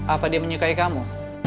apa dia menyukai kamu